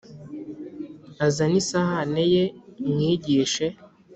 Azane isahani ye mwigishe: